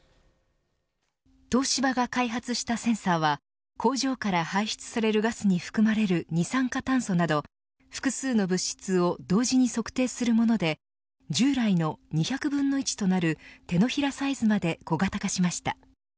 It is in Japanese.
東芝が開発したセンサーは工場から排出されるガスに含まれる二酸化炭素など複数の物質を同時に測定するもので従来の２００分の１となる手のひらサイズまで小型化しました。